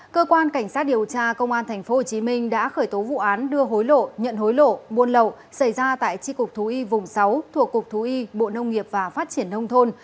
cơ quan cảnh sát điều tra công an tp hcm đã khởi tố vụ án đưa hối lộ nhận hối lộ buôn lậu xảy ra tại tri cục thú y vùng sáu thuộc cục thú y bộ nông nghiệp và phát triển nông thôn